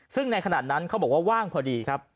ซึ่งในขณะนั้นเขาบอกว่าว่างพอดีครับ